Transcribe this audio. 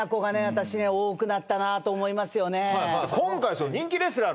私多くなったなと思いますよね